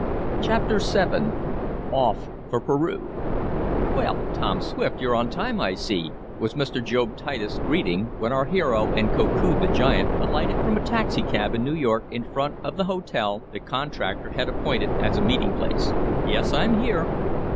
Chapter VII Off for Peru "Well, Tom Swift, you're on time I see," was Mr. Job Titus' greeting, when our hero, and Koku, the giant, alighted from a taxicab in New York, in front of the hotel the contractor had appointed as a meeting place. "Yes, I'm here."